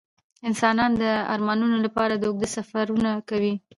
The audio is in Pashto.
انسانان د ارمانونو لپاره اوږده سفرونه کوي.